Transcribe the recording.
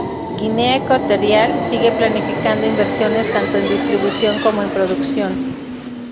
Guinea Ecuatorial sigue planificando inversiones tanto en distribución como en producción.